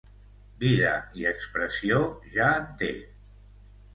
-Vida i expressió, ja en té